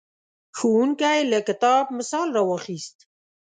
ښوونکی له کتاب مثال راواخیست.